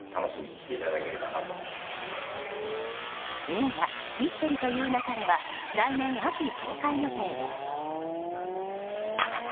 映画「ミステリと言う勿れ」は来年秋公開予定です。